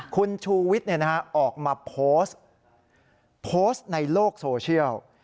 คุณชูวิทย์ออกมาโพสต์โพสต์ในโลกโซเชียล